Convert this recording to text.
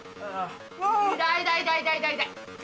痛い痛い痛い痛い